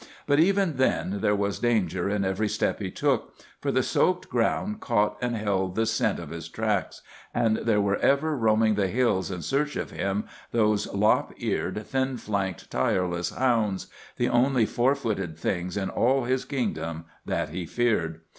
But even then there was danger in every step he took, for the soaked ground caught and held the scent of his tracks, and there were ever roaming the hills in search of him those lop eared, thin flanked, tireless hounds, the only four footed things in all his kingdom that he feared.